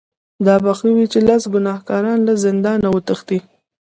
دا به ښه وي چې لس ګناهکاران له زندانه وتښتي.